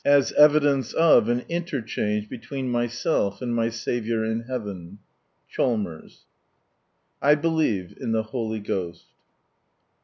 ai eviJcHit of an interchange betviien mysrlf and my Saviour in heaven."— CnKWlt.9.s. "T believe in the Haly Ghost."